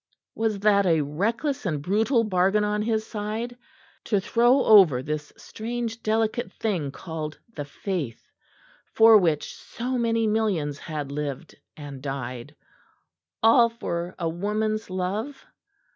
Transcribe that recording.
Was that a reckless and brutal bargain on his side to throw over this strange delicate thing called the Faith for which so many millions had lived and died, all for a woman's love?